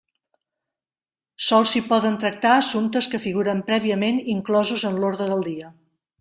Sols s'hi poden tractar assumptes que figuren prèviament inclosos en l'ordre del dia.